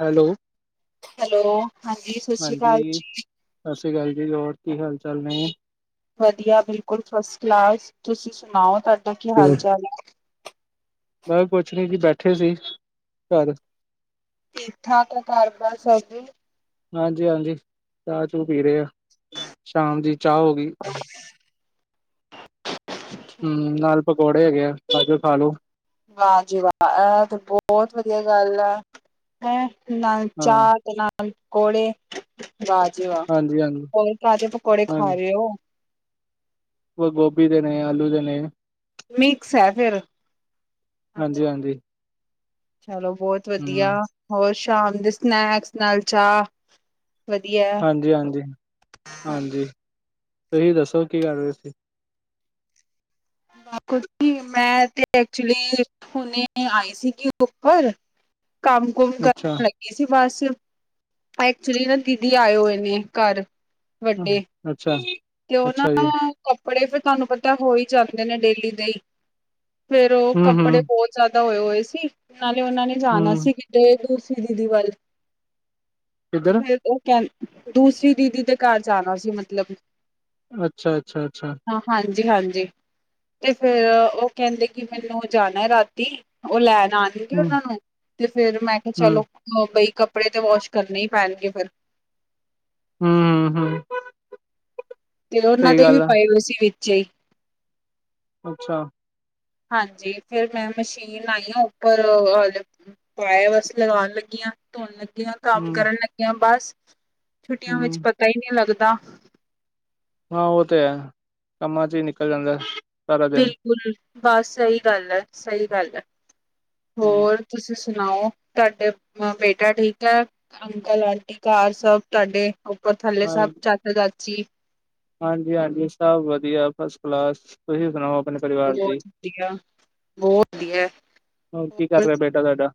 Hello hello ਹਾਂਜੀ ਸਤਿ ਸ਼੍ਰੀ ਅਕਾਲ ਹਾਂਜੀ ਜੀ। ਸਤਿ ਸ਼੍ਰੀ ਅਕਾਲ ਜੀ, ਹੋਰ ਕੀ ਹਾਲ ਚਾਲ ਨੇ ਜੀ। ਵਧੀਆ ਬਿਲਕੁਲ ਫਸਟ ਕਲਾਸ। ਤੁਸੀਂ ਸੁਣਾਓ ਤੁਹਾਡਾ ਕੀ ਹਾਲ ਚਾਲ? ਪੁੱਛ ਨਹੀ ਜੀ ਬੈਠੇ ਸੀ ਘਰ। ਠੀਕ-ਠਾਕ ਹੈ, ਘਰ ਬਾਰ ਸਭ ਠੀਕ? ਹਾਂਜੀ-ਹਾਂਜੀ, ਚਾਹ ਚੂ ਪੀ ਰਹੇ ਆ, ਸ਼ਾਮ ਦੀ ਚਾਹ ਹੋ ਗਈ। ਹਮ, ਨਾਲ ਪਕੌੜੇ ਹੈਗੇ ਆ ਜੋ ਖਾ ਲੋੋ। ਵਾਹ ਜੀ ਵਾਹ, ਐ ਤੇ ਬਹੁਤ ਵਧੀਆ ਗੱਲ ਆ। ਹੈਂ ਨਾਲ ਹਾਂ ਚਾਹ ਦੇ ਨਾਲ ਪਕੌੜੇ। ਵਾਹ ਜੀ ਵਾਹ, ਹਾਂਜੀ ਹਾਂਜੀ ਹੋਰ ਕਾਜ਼ੇ ਪਕੌੜੇ ਖਾ ਰਹੇ ਹੋ? ਕੁਛ ਗੋਭੀ ਦੇਨੇ, ਆਲੂ ਦੇਨੇ। ਮਿਕਸ ਹੈ ਫਿਰ, ਹਾਂਜੀ ਹਾਂਜੀ ਚਲੋ ਬਹੁਤ- ਹਮ ਵਧੀਆ, ਹੋਰ ਸ਼ਾਮ ਦੇ ਸਨੈਕਸ ਨਾਲ ਚਾਹ ਵਧੀਆ। ਹਾਂਜੀ, ਹਾਂਜੀ-ਹਾਂਜੀ ਤੁਸੀਂ ਦੱਸੋ ਕੀ ਕਰ ਰਹੇ ਸੀਂ? ਮੈਂ ਤੇ ਐਕਚੁਲੀ ਹੁਣੇ ਆਈ ਸੀਗੀ ਉੱਪਰ ਕੰਮ - ਕੁੰਮ ਅੱਛਾ ਕਰਨ ਲੱਗੀ ਸੀ ਬਸ, ਐਕਚੁਲੀ ਨਾ ਦੀਦੀ ਆਏ ਹੋਏ ਨੇ ਘਰ। ਵੱਡੇ, ਅੱਛਾ ਤੇ ਉਹ ਨਾ ਅੱਛਾ ਜੀ ਕੱਪੜੇ ਫੇਰ ਤੁਹਾਨੂੰ ਪਤਾ ਹੋ ਹੀ ਜਾਂਦੇ ਨੇ ਡੇਲੀ ਦੇਹੀ, ਫੇਰ ਉਹ ਹਮ ਕੱਪੜੇ ਹਮ ਬਹੁਤ ਜ਼ਿਆਦਾ ਹੋਏ ਹੋਏ ਸੀ, ਨਾਲੇ ਉਹਨਾਂ ਨੇ ਜਾਣਾ ਹਮ ਸੀ- ਤੇ ਦੂਰਸੀ ਦੀਦੀ ਵੱਲ, ਤੇ ਕਿੱਧਰ ਫੇਰ ਉਹ ਕਹਿ ਦੂਸਰੀ ਦੀਦੀ ਦੇ ਘਰ ਜਾਣਾ ਸੀ, ਮਤਲਬ। ਅੱਛਾ, ਅੱਛਾ -ਅੱਛਾ ਹਾਂ ਹਾਂਜੀ-ਹਾਂਜੀ। ਤੇ ਫੇਰ ਉਹ ਕਹਿੰਦੇ ਕਿ ਮੈਨੂੰ ਜਾਣਾ ਰਾਤੀ, ਉਹ ਲੈਣ ਆਣ ਗੇ ਹਮ ਉਹਨਾਂ ਨੂੰ, ਤੇ ਫੇਰ ਮੈਂ ਕਿਹਾ ਹਮ ਚਲੋ ਬਈ ਕੱਪੜੇ ਤੇ ਵਾਸ਼ ਕਰਨੇ ਹੀ ਪੈਣਗੇ ਫੇਰ। ਹਮ-ਹਮ ਤੇ, ਉਹਨਾਂ ਦੇ ਵੀ ਪਏ ਹੋਏ ਸੀ ਵਿੱਚੇ। ਅੱਛਾ। ਹਾਂਜੀ, ਫਿਰ ਮੈਂ ਮਸ਼ੀਨ ਆਈ ਆ ਉੱਪਰ- ਪਾਇਆ ਵਸ ਲਗਾਉਣ ਲੱਗੀਆਂ, ਧੋਣ ਲੱਗੀਆਂ। ਕੰਮ ਹੂੰ ਕਰਨ ਲੱਗੀਆਂ ਬਸ ਛੁੱਟੀਆਂ ਵਿੱਚ ਹੂੰ ਪਤਾ ਹੀ ਨਹੀਂ ਲੱਗਦਾ। ਹਾਂ ਉਹ ਤੇ ਹੈ। ਕੰਮਾਂ'ਚ ਹੀ ਨਿਕਲ ਜਾਂਦਾ। ਸਾਰਾ ਦਿਨ ਬਿਲਕੁਲ ਬਸ ਸਹੀ ਗੱਲ ਹੈ, ਸਹੀ ਗੱਲ ਹੈ ਹੂੰ ਹੋਰ। ਤੁਸੀਂ ਸੁਣਾਓ, ਤੁਹਾਡੇ ਅ ਬੇਟਾ ਠੀਕ ਹੈ। ਅੰਕਲ-ਆਂਟੀ ਘਰ ਸਭ ਤੁਹਾਡੇ ਉੱਪਰ-ਥੱਲੇ ਸਭ ਚਾਚਾ-ਚਾਚੀ। ਹਾਂਜੀ-ਹਾਂਜੀ ਸਭ ਵਧੀਆ ਫਸਟ ਕਲਾਸ। ਤੁਸੀਂ ਸੁਣਾਓ ਆਪਣੇ ਪਰਿਵਾਰ ਦੀ। ਬਹੁਤ ਵਧੀਆ ਬਹੁਤ ਵਧੀਆ ਹੋਰ ਕੀ ਕਰ ਰਿਹਾ ਬੇਟਾ ਤੁਹਾਡਾ?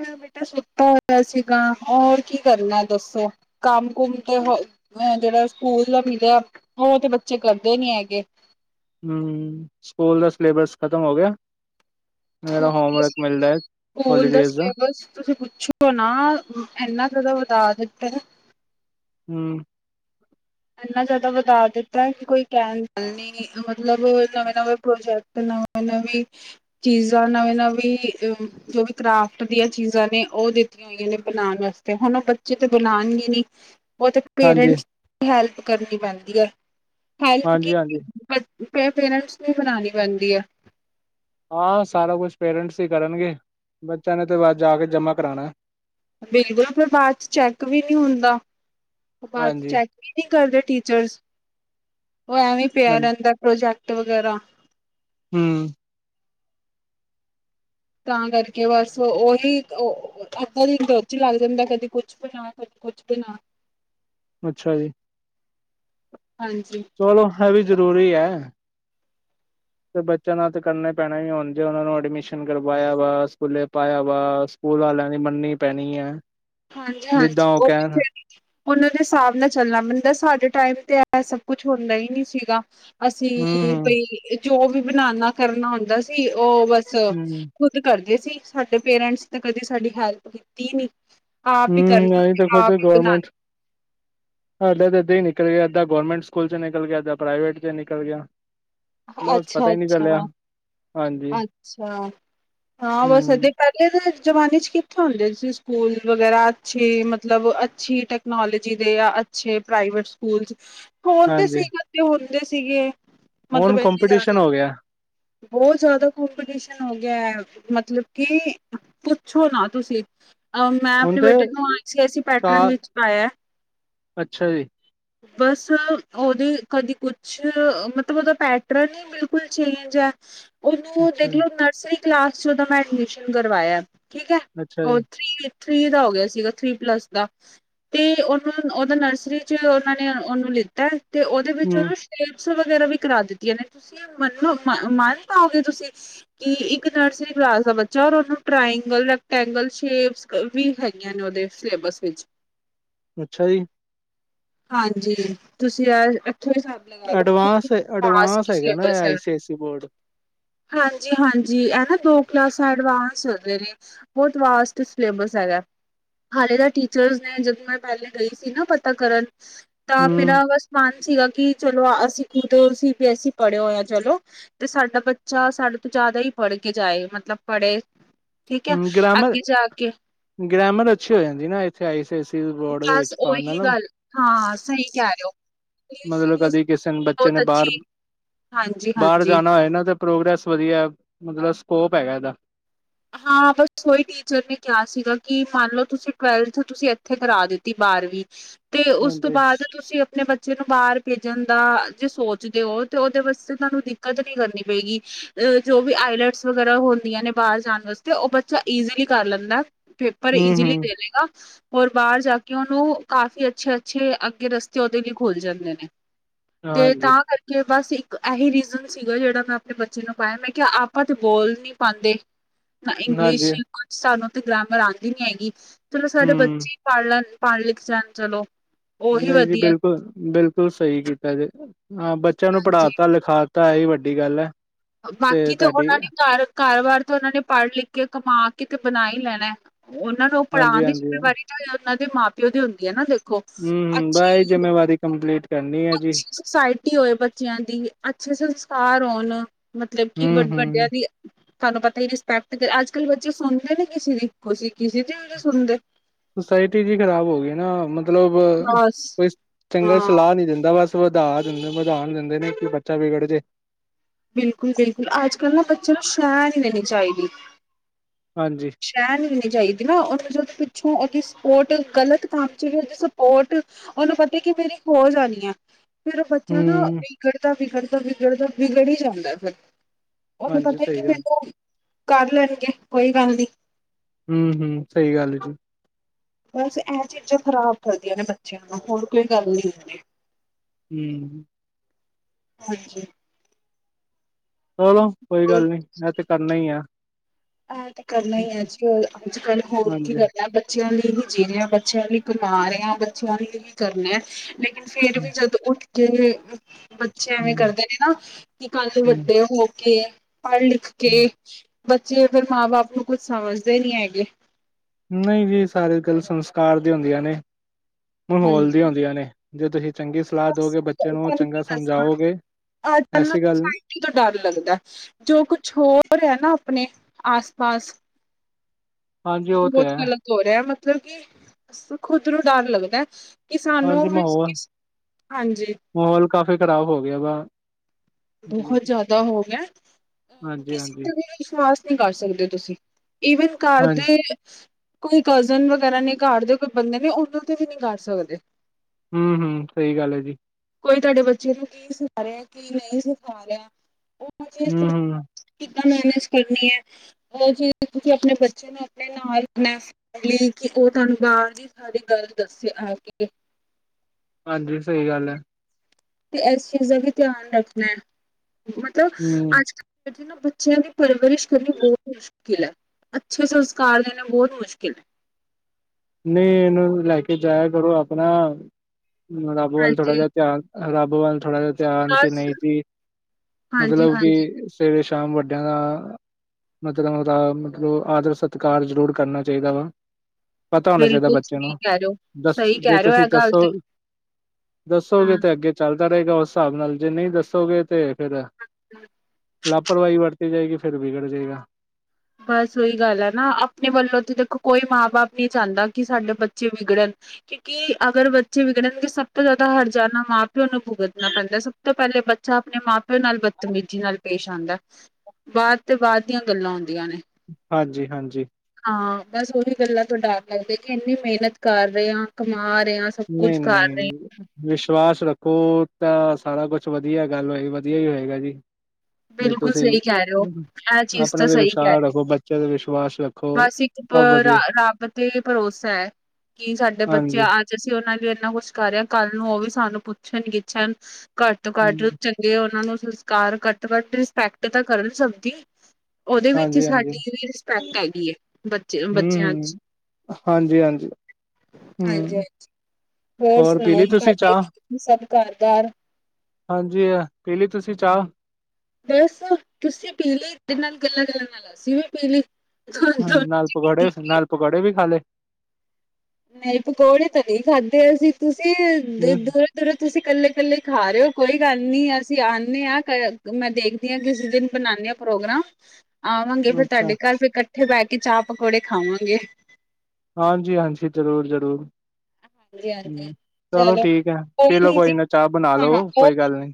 ਮੇਰਾ ਬੇਟਾ ਸੁੱਤਾ ਹੋਇਆ ਸੀਗਾ ਹੋਰ ਕੀ ਕਰਨਾ ਦੱਸੋ ਕੰਮ-ਕੁਮ ਤੇ ਹੋ ਹੈਂ ਜਿਹੜਾ ਸਕੂਲ ਦਾ ਮਿਲਿਆ, ਉਹ ਤੇ ਬੱਚੇ ਕਰਦੇ ਨੀ ਹੈਗੇ। ਹਮ, ਸਕੂਲ ਦਾ ਸਲੇਬਸ ਖ਼ਤਮ ਹੋ ਗਿਆ? ਜਿਹੜਾ ਹੋਮਵਰਕ ਸਕੂਲ ਮਿਲਦਾ ਹੈ ਹੋਲੀਡੇਜ਼ ਦਾ। ਤੁਸੀਂ ਪੁੱਛੋ ਨਾ ਇਹਨਾਂ ਜ਼ਿਆਦਾ ਵਧਾ ਦਿੱਤਾ। ਹੁੰ ਇੰਨਾ ਜ਼ਿਆਦਾ ਵਧਾ ਦਿੱਤਾ ਕਿ ਕੋਈ ਕਹਿਣ ਦੀ ਗੱਲ ਨਹੀਂ। ਮਤਲਬ ਨਵੇਂ-ਨਵੇਂ ਪ੍ਰੋਜੈਕਟ ਨਵੇਂ-ਨਵੀਂ ਚੀਜ਼ਾਂ ਨਵੀਂ -ਨਵੀਂ ਜੋ ਵੀ ਕਰਾਫਟ ਦੀਆਂ ਚੀਜ਼ਾਂ ਨੇ ਉਹ ਦਿੱਤੀਆਂ ਹੋਈਆਂ ਨੇ ਬਣਾਉਣ ਵਾਸਤੇ ਹੁਣ ਉਹ ਬੱਚੇ ਤੇ ਬੁਣਾਉਣਗੇ ਨੀ ਉਹ ਤੇ ਹਾਂਜੀ ਪੇਰੈਂਟਸ ਹੈਲਪ ਕਰਨੀ ਪੈਂਦੀ ਹੈ ਹੈਲਪ ਹਾਂਜੀ ਹਾਂਜੀ ਪੇਰੈਂਟਸ ਨੂੰ ਹੀ ਬਣਾਉਣੀ ਪੈਂਦੀ ਹੈ। ਹਾਂ ਸਾਰਾ ਕੁਛ ਪੇਰੈਂਟਸ ਹੀ ਕਰਣਗੇ ਬੱਚਿਆਂ ਨੇ ਤੇ ਬਸ ਜਾਕੇ ਜਮਾ ਕਰਾਉਣਾ। ਬਿਲਕੁਲ ਪਰ ਬਾਅਦ ਚ ਚੈੱਕ ਵੀ ਨਹੀਂ ਹੁੰਦਾ ਬਾਅਦ ਹਾਂਜੀ ਚੈੱਕ ਨੀ ਕਰਦੇ ਟੀਚਰਸ ਉਹ ਐਵੇਂ ਪਿਆ ਹਾਂਜੀ ਰਹਿੰਦਾ ਪ੍ਰੋਜੈਕਟ ਵਗੈਰਾ। ਹੁੰ ਤਾਂ ਕਰਕੇ ਬਸ ਉਹੀ ਅੱਧਾ ਦਿਨ ਤੇ ਓਹਦੇ ਚ ਹੀ ਲੱਗ ਜਾਂਦਾ ਕਦੀ ਕੁਛ ਬਣਾ ਕਦੇ ਕੁਛ ਬਣਾ ਅੱਛਾ ਜੀ ਹਾਂਜੀ ਚਲੋ ਇਹ ਵੀ ਜ਼ਰੂਰੀ ਹੈ। ਤੇ ਬੱਚਿਆਂ ਨਾਲ ਤਾਂ ਕਰਨੇ ਪੈਣੇ ਨੇ ਹੁਣ ਜੇ ਉਹਨਾਂ ਨੂੰ ਐਡਮਿਸ਼ਨ ਕਰਵਾਇਆ ਵਾ ਸਕੂਲੇ ਪਾਇਆ ਵਾ। ਸਕੂਲ ਵਾਲਿਆਂ ਦੀ ਮੰਨਣੀ ਪੈਣੀ ਆ। ਹਾਂਜੀ-ਹਾਂਜੀ ਉਹ ਕਿਥੇ ਭੀ ਉਹਨਾਂ ਦੇ ਹਿਸਾਬ ਨਾਲ ਚੱਲਣਾ ਪੈਂਦਾ ਸਾਡੇ ਟਾਈਮ ਤੇ ਇਹ ਸਭ ਕੁਛ ਹੁੰਦਾ ਹੀ ਨਹੀਂ ਸੀਗਾ। ਹਮ ਅਸੀਂ ਹਮ ਪਈ ਜੋ ਵੀ ਬਣਾਉਨਾ ਕਰਨਾ ਹੁੰਦਾ ਸੀ ਉਹ ਬਸ ਹਮ ਖੁਦ ਕਰਦੇ ਸੀ ਸਾਡੇ ਪੇਰੈਂਟਸ ਨੇ ਤਾਂ ਕਦੇ ਸਾਡੀ ਹੈਲਪ ਕੀਤੀ ਹੀ ਨਹੀਂ। ਆਪ ਹੁੰ ਅਸੀਂ ਤਾਂ ਖੁਦ ਗੋਰਮੈਂਟ ਸਾਡਾ ਤੇ ਇਹਦਾ ਹੀ ਨਿਕਲ ਗਿਆ ਅੱਧਾ ਗੌਰਮੈਂਟ ਸਕੂਲ ਚ ਨਿਕਲ ਗਿਆ ਅੱਧਾ ਪ੍ਰਾਈਵੇਟ ਚ ਨਿਕਲ ਗਿਆ। ਬਣਾਣਾ ਬਸ ਪਤਾ ਹੀ ਨਹੀਂ ਅੱਛਾ-ਅੱਛਾ। ਚੱਲਿਆ। ਹਾਂਜੀ ਅੱਛਾ ਹਾਂ ਬਸ ਹਮ ਅਧੇ ਪਹਿਲੇ ਦੇ ਜਮਾਨੇ ਚ ਕਿੱਥੇ ਹੁੰਦੇ ਸੀ ਸਕੂਲ ਵਗੈਰਾ ਅੱਛੇ ਮਤਲਬ ਅੱਛੀ ਟੈਕਨੋਲੋਜੀ ਦੇ ਯਾ ਅੱਛੇ ਪ੍ਰਾਈਵੇਟ ਸਕੂਲ। ਹੋਰ ਤੇ ਹਾਂਜੀ ਸੀਗਾ ਤੇ ਹੁੰਦੇ ਸੀਗੇ ਹੁਣ ਮਤਲਬ ਇਨੇ ਕੰਪੀਟੀਸ਼ਨ ਜ਼ਿਆਦਾ ਹੋ ਗਿਆ ਬਹੁਤ। ਜ਼ਿਆਦਾ ਕੋਂਪੀਟੀਸ਼ਨ ਹੋ ਗਿਆ ਮਤਲਬ ਕਿ ਪੁੱਛੋ ਨਾ ਤੁਸੀਂ। ਅ ਮੈਂ ਹੁਣ ਆਪਣੇ ਤੇ ਬੇਟੇ ਨੂੰ ਆਸੀਆਈਸੀ ਸਾ ਪੈਟਰਨ ਵਿੱਚ ਪਾਇਆ। ਅੱਛਾ ਜੀ। ਬਸ ਉਹਦੇ ਕਦੀ ਕੁਛ ਮਤਲਬ ਉਹਦਾ ਪੈਟਰਨ ਹੀ ਬਿਲਕੁਲ ਚੇਂਜ ਹੈ ਉਹਨੂੰ ਅੱਛਾ ਦੇਖ ਜੀ ਲਓ ਨਰਸਰੀ ਕਲਾਸ ਚ ਦਾ ਮੈਂ ਐਡਮਿਸ਼ਨ ਕਰਵਾਇਆ। ਠੀਕ ਹੈ ਅੱਛਾ ਜੀ ਥ੍ਰਰੀ ਥ੍ਰਰੀ ਦਾ ਹੋ ਗਿਆ ਸੀਗਾ ਥ੍ਰਰੀ ਪਲੱਸ ਦਾ ਤੇ ਉਹਨੂੰ ਉਹਦਾ ਨਰਸਰੀ ਚ ਉਹਨਾਂ ਨੇ ਉਹਨੂੰ ਲਿੱਤਾ ਤੇ ਉਹਦੇ ਵਿੱਚ ਹਮ ਉਹਨੂੰ ਸ਼ੇਪਸ ਵਗੈਰਾ ਵੀ ਕਰਾ ਦਿੱਤੀਆਂ ਨੇ ਤੁਸੀਂ ਮੰਨੋ ਮੰਨ -ਮੰਨ ਪਾਓਗੇ ਤੁਸੀਂ ਕਿ ਇੱਕ ਨਰਸਰੀ ਕਲਾਸ ਦਾ ਬੱਚਾ ਔਰ ਉਹਨੂੰ ਟ੍ਰਇਂਗਲ, ਰੈਕਟੇਗਲ ਸ਼ੇਪਸ ਵੀ ਹੈਗੀਆਂ ਨੇ ਉਹਦੇ ਸਿਲੇਬਸ ਵਿੱਚ। ਅੱਛਾ ਜੀ। ਹਾਂਜੀ ਤੁਸੀਂ ਆ ਇੱਥੋਂ ਹੀ ਸਾਨੂੰ ਲੱਗਾ ਲੋ ਕੀ ਐਡਵਾਂਸ ਐਡਵਾਂਸ ਹੈਗਾ ਨਾ ਆਈ ਸੀ ਆਈ ਸੀ ਬੋਰਡ [unintelligible] ਹਾਂਜੀ-ਹਾਂਜੀ, ਇਹ ਨਾ ਦੋ ਕਲਾਸਾਂ ਐਡਵਾਂਸ ਲੈਂਦੇ ਨੇ। ਬੋਤ ਲਾਸਟਸ ਸਿਲੇਬਸ ਆਇਆ। ਹਾਲੇ ਤਾਂ ਟੀਚਰਸ ਨੇ ਜਦੋਂ, ਮੈਂ ਪਹਿਲੇ ਗਈ ਸੀ ਨਾ ਪਤਾ ਕਰਨ ਤਾਂ, ਹਮ ਮੇਰਾ ਬਸ ਮਾਨ ਸੀਗਾ ਕਿ ਚਲੋ ਅਸੀਂ ਖੁਦ ਸੀਬੀਐਸੀ ਪੜੇ ਹੋਆ ਚਲੋ ਤੇ ਸਾਡਾ ਬੱਚਾ ਸਾਡੇ ਤੋਂ ਜ਼ਿਆਦਾ ਹੀ ਪੜ੍ਹ ਕੇ ਜਾਏ ਮਤਲਬ ਪੜ੍ਹੇ। ਠੀਕ ਹੈ, ਹਮ ਗ੍ਰਾਮਰ ਅੱਗੇ ਜਾ ਕੇ। ਗ੍ਰੈਮਰ ਅੱਛੀ ਹੋ ਜਾਂਦੀ ਨਾ, ਇੱਥੇ ਆਈਸੀਆਈ ਬੋਰਡ ਦੇ ਬਸ ਵਿੱਚ ਪਾਣ ਉਹੀ ਨਾਲ। ਗੱਲ ਹਾਂ, ਸਹੀ ਕਹਿ ਰਹੇ ਓ। ਮਤਲਬ ਕਦੀ ਕਿਸੇ ਨੇ ਬੱਚੇ ਨੇ ਅੱਛੀ ਬਾਹਰ- ਹਾਂਜੀ ਬਾਹਰ ਹਾਂਜੀ ਜਾਣਾ ਹੋਏ ਨਾ ਤੇ ਪ੍ਰੋਗਰੈਸ ਵਧੀਆ, ਮਤਲਬ ਸਕੋਪ ਹੈਗਾ ਈਦਾ। ਹਾਂ, ਬਸ ਕੋਈ ਨੀ। ਟੀਚਰ ਨੇ ਕਿਹਾ ਸੀਗਾ ਕਿ ਮੰਨ ਲਓ ਤੁਸੀਂ ਟਵੈਲਥ ਤੁਸੀਂ ਇੱਥੇ ਕਰਾ ਦਿੱਤੀ ਬਾਰਵੀਂ ਤੇ ਉਸ ਤੋਂ ਹਾਂਜੀ ਬਾਦ- ਤੁਸੀਂ ਆਪਣੇ ਬੱਚੇ ਨੂੰ ਬਾਹਰ ਭੇਜਣ ਦਾ ਜੇ ਸੋਚਦੇ ਓ, ਤਾਂ ਉਹਦੇ ਵਾਸਤੇ ਤੁਹਾਨੂੰ ਦਿੱਕਤ ਨੀ ਕਰਨੀ ਪੈਗੀ। ਅ ਜੋ ਵੀ ਆਈਲੈਟਸ ਵਗੈਰਾ ਹੁੰਦੀਆਂ ਨੇ ਬਾਹਰ ਜਾਣ ਉਹ ਬੱਚਾ ਈਜ਼ੀਲੀ ਕਰ ਲੈਂਦਾ ਪੇਪਰ ਹੂੰ ਈਜ਼ੀਲੀ ਦੇ ਹੂੰ ਲੇਗਾ। ਔਰ ਬਾਹਰ ਜਾ ਕੇ ਉਹਨੂੰ ਕਾਫੀ ਅੱਛੇ-ਅੱਛੇ ਅੱਗੇ ਰਸਤੇ ਓਦੇ ਵੀ ਖੋਲ ਜਾਂਦੇ ਨੇ। ਤੇ ਹਾਂਜੀ ਤਾਂ ਕਰਕੇ ਕਿ ਬਸ ਇੱਕ ਇਹੀ ਰੀਜ਼ਨ ਸੀਗਾ, ਜਿਹੜਾ ਮੈਂ ਆਪਣੇ ਬੱਚੇ ਨੂੰ ਪਾਇਆ ਮੈਂ ਕਿਹਾ ਆਪਾਂ ਤਾਂ ਬੋਲ ਨੀ ਪਾਦੇ। ਨਾ ਇੰਗਲਿਸ਼ ਹਾਂਜੀ ਕੁਛ ਸਾਨੂੰ ਤਾਂ ਗ੍ਰਾਮਰ ਆਦੀ ਨੀ ਹੈਗੀ। ਚਲੋ, ਸਾਡੇ ਹੂੰ ਬੱਚੇ ਪੜ ਲੈਣ ਪੜ-ਲਿਖ ਜਾਨ ਚਲੋ। ਉਹੀ ਨਈ ਜੀ, ਵਧੀਆ ਬਿਲਕੁਲ-ਬਿਲਕੁਲ ਸਹੀ ਕੀਤਾ ਜੇ, ਹਾਂ ਬੱਚਿਆਂ ਨੂੰ ਹਾਂਜੀ। ਪੜ੍ਹਾਤਾ ਲਿਖਾ -ਤਾਂ ਆਹੀ ਵੱਡੀ ਗੱਲ ਐ। ਬਾਕੀ ਤੇ ਉਨਾਂ ਨੇ ਘਰ -ਘਰ -ਵਾਰ ਤੇ ਉਹਨਾਂ ਨੇ ਪੜ੍ਹ-ਲਿਖ ਕੇ ਕਮਾ ਕੇ ਤੇ ਬਣਾ ਈ ਲੈਣਾ ਐ। ਉਹਨਾਂ ਨੂੰ ਹਾਂਜੀ ਪੜ੍ਹਾਉਣ ਦੀ ਹਾਂਜੀ ਹੂੰ ਜ਼ਿੰਮੇਵਾਰੀ ਤੇ ਉਹਨਾਂ ਦੇ ਮਾਂ ਪ ਤੇ ਓਦੀ ਹੁੰਦੀ ਆ ਨਾ ਦੇਖੋ ਹੂੰ ਬਸ ਇਹ ਅੱਛੀ, ਜਿੰਮੇਵਾਰੀ ਕੰਪਲੀਟ ਕਰਨੀ ਹੈ ਜੀ ਅੱਛੀ। ਸੁੋਸਾਇਟੀ ਹੋਏ ਬੱਚਿਆਂ ਦੀ ਅੱਛੇ ਸੰਸਕਾਰ ਹੋਣ, ਮਤਲਬ ਕਿ ਵ ਹੂੰ ਹੂੰ ਵੱਡਿਆਂ ਦੀ ਤੁਆਨੂੰ ਪਤਾ ਈ ਏ ਰਿਸਪੈਕਟ ਅੱਜ-ਕੱਲ ਬੱਚੇ ਸੁਣਦੇ ਨੀ ਕਿਸੇ ਦੀ ਖੁਸੀ਼ ਕਿਸੇ ਦੀ ਨੀ ਸੁਣਦੇ ਸੋਸਾਇਟੀ ਜੀ ਖਰਾਬ ਹੋ ਗਈ ਨਾ ਮਤਲਬ ਬਸ ਕੋਈ ਚੰਗਾ ਹਾਂ। ਸਲਾਹ ਨਈ ਦਿੰਦਾ ਬਸ ਵਦਾ ਦਿੰਦੇ ਵਦਾਨ ਦਿੰਦੇ ਨੇ ਕਿ ਬੱਚਾ ਵਿਗੜ ਜੇ। ਬਿਲਕੁਲ-ਬਿਲਕੁਲ ਅੱਜ-ਕੱਲ ਨਾ, ਬੱਚੇ ਨੂੰ ਸੈ ਨੀ ਦੇਣੀ ਚਾਈਦੀ। ਹਾਂਜੀ। ਸ਼ੈ ਨੀ ਦੇਨੀ ਚਾਈਦੀ ਨਾ, ਓਨੂੰ ਜਦ ਪਿੱਛੋਂ ਓਦੀ ਸਪੋਟ ਗਲਤ ਕੰਮ ਚ ਵੀ ਓਦੀ ਸਪੋਟ ਓਨੂੰ ਪਤੈ ਕਿ ਮੇਰੀ ਕਾਲਸ ਆਣੀ ਆ ਫਿਰ ਬੱਚਾ ਨਾ ਹੂੰ ਵਿਗੜਦਾ-ਵਿਗੜਦਾ-ਵਿਗੜਦਾ ਵਿਗੜ ਈ ਜਾਂਦਾ ਫੇਰ ਓੱਨੂੰ ਹਾਂਜੀ ਪਤਾ ਕਿ ਸਹੀ ਗੱਲ ਮੈਨੂੰ, ਕਰ ਲੈਣਗੇ ਕੋਈ ਗੱਲ ਨੀ ਹੂਂ-ਹੂਂ ਸਈ ਗੱਲ ਐ ਜੀ। ਬਸ ਐ ਚੀਜ਼ਾਂ ਖ਼ਰਾਬ ਕਰਦੀਆਂ ਨੇ ਬੱਚੇਆਂ ਨੂੰ ਹੋਰ ਕੋਈ ਗੱਲ ਨੀ ਹੈਗੀ। ਹੂਂ ਹਾਂਜੀ। ਚਲੋ ਕੋਈ ਹੋਰ ਗੱਲ ਨੀ, ਐ ਤੇ ਕਰਨਾ ਈ ਐ। ਐ ਤੇ ਕਰਨਾ ਈ ਐ ਅੱਜ-ਕੱਲ ਅੱਜ ਕੱਲ੍ਹ ਹੋਰ ਕੀ ਹਾਂਜੀ ਕਰਨਾ। ਬੱਚੇਆਂ ਲਈ ਹੀ ਜੀ ਰੇਆਂ, ਬੱਚੇਆਂ ਲਈ ਕਮਾ ਰੇਆਂ, ਬੱਚੇਆਂ ਲਈ ਹੀ ਕਰਨੈ। ਲੇਕਿਨ ਫੇਰ ਹੂੰ ਵੀ ਜਦੋਂ ਉੱਠ ਗੇ ਬੱਚੇ ਐਵੇਂ ਕਰਦੇ ਨੇ ਨਾ, ਕਿ ਕੱਲ ਨੂੰ ਹੂੰ ਵੱਡੇ ਹੋ ਕੇ ਪੜ੍ਹ-ਲਿਖ ਕੇ ਜੇ ਫਿਰ ਮਾਂ ਬਾਪ ਨੂੰ ਕੁੱਛ ਸਮਝਦੇ ਨੀ ਹੈਗੇ। ਨਈ ਜੀ, ਸਾਰੀ ਗੱਲ ਸੰਸਕਾਰ ਦੀ ਹੁੰਦੀਆਂ ਨੇ, ਹਾਂਜੀ ਮਾਹੌਲ ਦੀਆਂ ਹੁੰਦੀਆਂ ਨੇ। ਜੇ ਤੁਸੀਂ ਚੰਗੀ ਸਲਾਹ ਬਸ ਦੋਗੇ ਬੱਚੇ ਨੂੰ ਤੁਹਾਨੂੰ ਕੀ ਚੰਗਾ ਦੱਸਣਾ ਸਮਝਾਓਗੇ, ਅੱਜ ਕੱਲ ਨਾ ਐਸੀ ਗੱਲ ਸੁਸਾਇਟੀ ਤੋਂ ਡਰ ਲੱਗਦਾ, ਜੋ ਕੁਛ ਹੋ ਰੇਐ ਨਾ ਆਪਣੇ ਆਸ-ਪਾਸ ਹਾਂਜੀ ਉਹ ਤੇ ਬਹੋਤ ਹੈ ਗ਼ਲਤ ਹੋ ਰੇਐ ਮਤਲਬ ਕਿ, ਖੁਦ ਨੂੰ ਡਰ ਲੱਗਦੈ। ਕਿ ਸਾਨੂੰ [unintelligible] ਹਾਂਜੀ ਮਹੌਲ ਕਾਫ਼ੀ ਖ਼ਰਾਬ ਹੋ ਗਿਆ ਵਾ। ਬਹੋਤ ਜ਼ਿਆਦਾ ਹੋ ਗੇਆ, ਕਿਸੀ ਹਾਂਜੀ-ਹਾਂਜੀ, ਤੇ ਵੀ ਵਿਸ਼ਵਾਸ ਨਈ ਕਰ ਸਕਦੇ ਔ ਤੁਸੀਂ, ਈਵਨ ਕਾਰ ਦੇ ਹਾਂਜੀ ਕੋਈ ਕਜ਼ਨ ਵਗੈਰਾ ਨੇ, ਘਰ ਦੇ ਕੋਈ ਬੰਦੇ ਨੇ। ਓਨਾਂ ਤੇ ਵੀ ਨੀ ਕਰ ਸਕਦੇ। ਹੂੰ ਹੂ ਸਈ ਗੱਲ ਐ ਜੀ। ਕੋਈ ਤੁਆਡੇ ਬੱਚੇ ਨੂੰ ਕੀ ਸਿਖਾ ਰਿਹਾ, ਕੀ ਨਈ ਸਿਖਾ ਰਿਆ, ਓ ਹੂੰ-ਹੂੰ ਕਿੱਦਾਂ ਮੈਨੇਜ ਕਰਨੀ ਐ, ਉਹ ਚੀਜ ਤੁਸੀ ਆਪਣੇ ਬੱਚੇ ਨੂੰ ਆਪਣੇ ਨਾਲ ਮ ਲਈ ਕਿ ਉਹ ਤੁਹਾਨੂੰ ਬਾਹਰ ਦੀ ਸਾਰੀ ਗੱਲ ਦੱਸੇ ਆ ਕੇ ਹਾਂਜੀ, ਸਹੀ ਗੱਲ ਐ। ਤੇ ਇਸ ਚੀਜ਼ ਦਾ ਵੀ ਧਿਆਨ ਰੱਖਣਾ ਐ। ਮਤਬਲ ਹੂੰ ਅੱਜ-ਕੱਲ੍ਹ ਜਿਹੜੇ ਨਾ ਬੱਚਿਆਂ ਦੀ ਪਰਵਰਿਸ਼ ਕਰਨੀ ਬੋਤ ਮੁਸ਼ਕਿਲ ਐ ਅੱਛੇ ਸੰਸਕਾਰ ਦੇਣਾ ਬੋਤ ਮੁਸ਼ਕਿਲ ਐ। ਨਈ ਏਨੂੰ ਲੈ ਕੇ ਜਾਯਾ ਕਰੋ ਆਪਣਾ, ਰੱਬ ਵੱਲ ਥੋੜਾ ਹਾਂਜੀ ਜੇਹਾ ਧਿਆਨ ਰੱਬ ਵੱਲ ਥੋੜਾ ਜੇਹਾ ਧਿਆਨ ਕਿ ਬਸ ਨਈ ਜੀ ਹਾਂਜੀ ਮਤਲਬ ਹਾਂਜੀ ਕਿ ਸਵੇਰੇ ਸ਼ਾਮ ਵੱਡਿਆਂ ਦਾ ਮਤਲਬ, ਓਦਾ ਮਤਲਬ ਆਦਰ ਸਤਿਕਾਰ ਜ਼ਰੂਰ ਕਰਨਾ ਚਾਈਦਾ ਵਾ। ਪਤਾ ਹੋਨਾ ਚਾਈਦਾ ਬਿਲਕੁਲ ਬੱਚੇ ਸਹੀ ਨੂੰ, ਕਹਿ ਰਹੇ ਹੋ। ਦੱਸ ਸਹੀ ਜੇ ਕਹਿ ਰਹੇ ਹੋ ਤੁਸੀਂ ਇਹ ਗੱਲ ਤੇ ਦੱਸੋ। ਦੱਸੋਗੇ ਹਮ। ਤੇ ਅੱਗੇ ਚੱਲਦਾ ਰਹੇਗਾ ਓਸ ਸਾਬ ਨਾਲ ਜੇ ਨਈ ਦੱਸੋਗੇ ਤੇ ਫੇਰ, ਲਾਪਰਵਾਈ ਵਰਤ ਜਾਏਗੀ ਫਿਰ ਵਿਗੜ ਜੇ ਗਾ। ਬਸ ਉਹੀ ਗੱਲ ਐ ਨਾ ਆਪਣੇ ਵੱਲੋਂ ਤੇ ਦੇਖੋ ਕੋਈ ਮਾਂ ਬਾਪ ਨੀ ਚਾਹੁੰਦਾ ਕਿ ਸਾਡੇ ਬੱਚੇ ਵਿਗੜਨ ਕਿਉਂਕਿ ਅਗਰ ਬੱਚੇ ਵਿਗੜਨ ਗੇ ਸਭ ਤੋਂ ਜ਼ਿਆਦਾ ਹਰਜਾਨਾ ਮਾਂ-ਪਓ ਨੂੰ ਭੁਗਤਣਾ ਪੈਂਦਾ ਸਭ ਸਬ ਤੋਂ ਪਹਿਲੇ ਬੱਚਾ ਆਪਣੇ ਮਾਂ-ਪਿਓ ਨਾਲ ਬਤਮੀਜ਼ੀ ਨਾਲ ਪੇਸ਼ ਆਂਦਾ। ਬਾਦ ਤੇ ਬਾਦ ਦੀਆਂ ਗੱਲਾਂ ਹੁੰਦੀਆਂ ਨੇ। ਹਾਂਜੀ-ਹਾਂਜੀ, ਹਾਂ ਬਸ ਉਹੀ ਗੱਲਾਂ ਤੋਂ ਡਰ ਲੱਗਦੇ ਕੀ ਇੰਨੀ ਮਿਹਨਤ ਕਰ ਰਹੇ ਆ ਕਮਾ ਰਹੇ ਆ ਸਭ ਨਹੀਂ ਕੁਛ ਕਰ ਨਹੀਂ ਰਹਿ ਵਿਸ਼ਵਾਸ ਰੱਖੋ ਤਾਂ ਸਾਰਾ ਕੁਛ ਵਧੀਆ ਗੱਲ ਹੋਏਗੀ ਵਧੀਆ ਹੀ ਹੋਏਗਾ ਜੀ। ਜੇ ਬਿਲਕੁਲ ਤੁਸੀਂ ਸਹੀ ਕਹਿ ਰਹੇ ਹੋ ਇਹ ਚੀਜ਼ ਤਾਂ ਆਪਣੇ ਤੇ ਸਹੀ ਕਹਿ ਵਿਸ਼ਾਲ ਰੱਖੋ ਬੱਚਿਆਂ ਤੇ ਵਿਸ਼ਵਾਸ ਰੱਖੋ ਸਭ ਪਰ ਵਧੀਆ ਰ-ਰੱਬ ਤੇ ਭਰੋਸਾ ਐ ਕਿ ਸਾਡੇ ਬੱਚੇ ਹਾਂਜੀ ਆ ਅਸੀਂ ਉਹਨਾਂ ਲਈ ਇੰਨਾ ਕੁਛ ਕਰ ਰਹੇ ਹਾਂ ਕੱਲ੍ਹ ਨੂੰ ਉਹ ਵੀ ਸਾਨੂੰ ਪੁੱਛਣ -ਗਿੱਛਣ ਘੱਟ ਤੋਂ ਘੱਟ ਹਮ ਚੰ ਗੇ ਉਹਨਾ ਨੂੰ ਸੰਸਕਾਰ ਘੱਟ- ਘੱਟ ਰਿਸਪੈਕਟ ਤਾਂ ਕਰਨ ਸਭ ਦੀ। ਉਹਦੇ ਵਿੱਚ ਹਾਂਜੀ ਹਾਂਜੀ ਸਾਡੀ ਵੀ ਰਿਸਪੈਕਟ ਹੈਗੀ ਹੈ ਬੱਚੇ- ਹਮ ਬੱਚਿਆਂ ਚ ਹਮ ਹਾਂਜੀ ਹਾਂਜੀ। ਹਾਂਜੀ ਹਮ ਹਾਂਜੀ, ਹੋਰ ਪੀ ਸੁਣਾਓ ਲਈ ਤੁਸੀਂ ਤੁਹਾਡੇ ਚਾਹ ਕੀ ਤੁਸੀਂ ਸਭ ਘਰ ਦਾ ਹਾਂਜੀ ਅ, ਪੀਲੀ ਤੁਸੀਂ ਚਾਹ? ਬਸ ਤੁਸੀਂ ਪੀਲੀ ਇਹ ਨਾਲ ਗੱਲਾਂ -ਗੱਲਾਂ ਨਾਲ ਅਸੀ ਵੀ ਪੀਲੀ। ਹੂੰ ਨਾਲ ਪਕੌੜੇ, ਨਾਲ ਪਕੌੜੇ ਵੀ ਖਾ ਲੇ। ਨਈ ਪਕੌੜੇ ਤਾਂ ਨੀ ਖਾਧੇ ਅਸੀਂ ਤੁਸੀਂ ਇੱਧ ਹਮ ਇੱਧਰੋ ਤੁਸੀਂ ਕੱਲੇ- ਕੱਲੇ ਖਾ ਰਹੇ ਹੋ ਕੋਈ ਗੱਲ ਨੀ ਅਸੀਂ ਆਂਨੇ ਆ ਘਰੇ ਮੈਂ ਦੇਖ ਦੇਖ ਦੀਆਂ ਕਿਸੇ ਦਿਨ ਬਨਾਦੀ ਆ ਪ੍ਰੋਗਰਾਮ। [inaudible] ਆਵਾਂਗੇ ਫੇਰ ਅੱਛਾ ਤਾਡੇ ਘਰ ਫਿਰ ਇਕੱਠੇ ਬਹਿ ਕੇ ਚਾਹ ਪਕੌੜੇ ਖਾਵਾਂਗੇ। ਹਾਂਜੀ ਹਾਂਜੀ, ਜ਼ਰੂਰ- ਜ਼ਰੂਰ। ਹਾਂਜੀ ਹਾਂਜੀ ਹੂੰ ਚਲੋ ਠੀਕ ਐ, ਪੀਲੋ ਕੋਈ ਨਾ ਚਾਹ ਬਣਾ ਲਓ ਕੋਈ ਗੱਲ ਨੀ।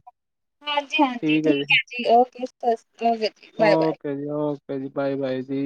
ਹਾਂਜੀ-ਹਾਂਜੀ ਠੀਕ ਐ ਜੀ ਓਕੇ [unintelligible] ਓਕੇ ਜੀ ਓਕੇ ਜੀ ਬਾਏ-ਬਾਏ ਜੀ।